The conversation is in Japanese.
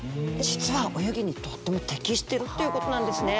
実は泳ぎにとっても適してるっていうことなんですね。